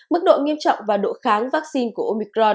mức độ nghiêm trọng và độ kháng vaccine của omicron